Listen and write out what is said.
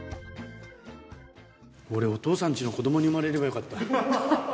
俺お父さん家の子供に生まれればよかった。